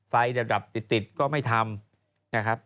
ไฟดับติดก็ไม่ทำ